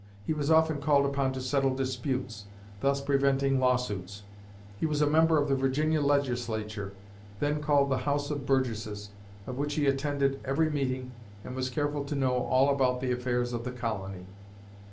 He was often called upon to settle disputes, thus preventing law suits. He was a member of the Virginia Legislature, then called the House of Burgesses, of which he attended every meeting and was careful to know all about the affairs of the colony.